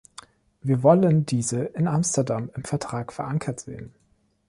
Wir wollen diese in Amsterdam im Vertrag verankert sehen.